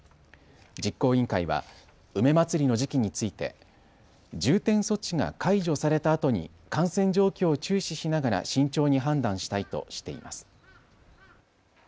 実行委員会は梅まつりの時期について重点措置が解除されたあとに感染状況を注視しながら慎重に判断したいとしています。